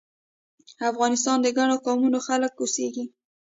افغانستان کې د ګڼو قومونو خلک اوسیږی